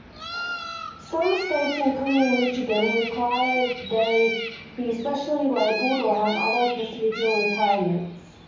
Some states, including Michigan, require they be specially labelled or have other procedural requirements.